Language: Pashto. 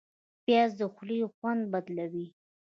پیاز د خولې خوند بدلوي